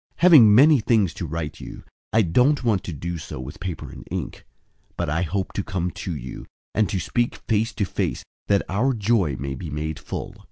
001:012 Having many things to write to you, I don't want to do so with paper and ink, but I hope to come to you, and to speak face to face, that our joy may be made full.